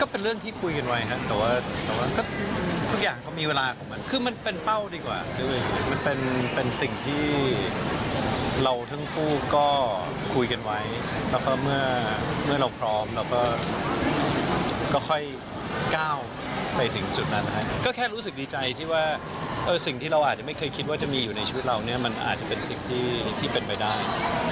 หรือเป็นคนแรกเลยไหมที่เราอยากนึกภาพแต่งงานกับต่อไป